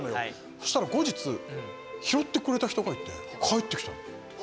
そしたら後日、拾ってくれた人がいて返ってきたの。